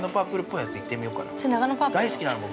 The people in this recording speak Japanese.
◆大好きなの、僕。